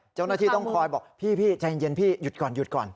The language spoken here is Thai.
เจ้าหน้าที่ต้องคอยบอกพี่ใจเย็นพี่หยุดก่อนหยุดก่อน